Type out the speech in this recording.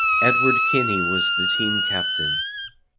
Edward Kinney was the team captain.